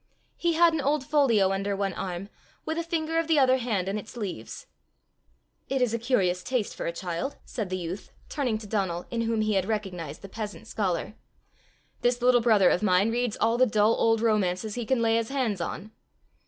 He had an old folio under one arm, with a finger of the other hand in its leaves. "It is a curious taste for a child!" said the youth, turning to Donal, in whom he had recognized the peasant scholar: "this little brother of mine reads all the dull old romances he can lay his hands on."